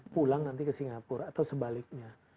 pulang nanti ke singapura atau sebaliknya